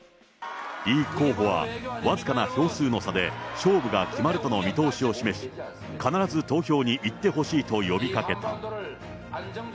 イ候補は、僅かな票数の差で勝負が決まるとの見通しを示し、必ず投票に行ってほしいと呼びかけた。